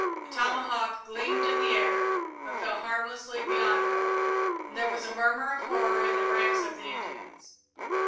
A tomahawk gleamed in the air, but fell harmlessly beyond her, and there was a murmur of horror in the ranks of the Indians.